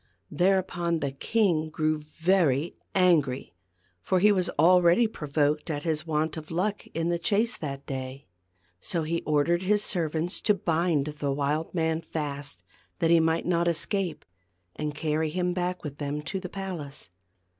Thereupon the king grew very angry ; for he was already provoked at his , want of luck in the chase that day. I he So he ordered his ser vants to bind the wild man fast, that he might not escape, and carry him back with them to the palace.